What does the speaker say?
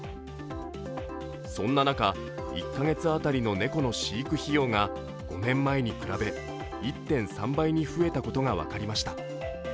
そんな中、１か月当たりの猫の飼育費用が５年前に比べ１．３倍に増えたことが分かりました。